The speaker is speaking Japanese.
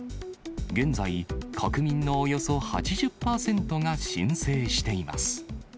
現在、国民のおよそ８０％が申請しています。